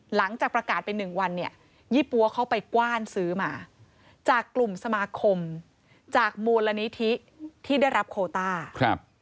หลังจากประกาศไปหนึ่งวันเนี่ยยี่ปั๊วเขาไปกว้านซื้อมาจากกลุ่มสมาคมจากมูลนิธิที่ได้รับโคต้าครับ